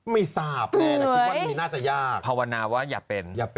ไม่ทราบแน่น่ะ